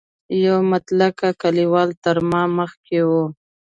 یو مطلق کلیوال تر ما مخکې و.